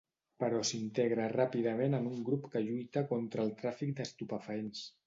Però s'integra ràpidament en un grup que lluita contra el tràfic d'estupefaents.